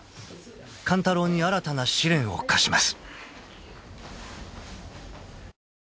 勘太郎に新たな試練を課します］